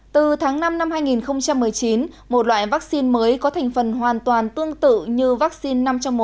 từ tháng năm năm hai nghìn một mươi chín một loại vaccine mới có thành phần hoàn toàn tương tự như vaccine năm trong một